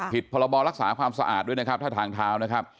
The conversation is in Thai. พรบรักษาความสะอาดด้วยนะครับถ้าทางเท้านะครับ